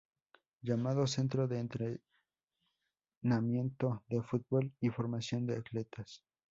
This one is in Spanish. Llamado Centro de entrenamiento de fútbol y formación de atletas.